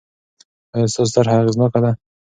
آیا ستاسو طرحه اغېزناکه ده؟